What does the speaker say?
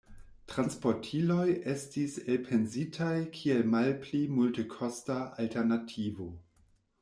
Transportiloj estis elpensitaj kiel malpli multekosta alternativo.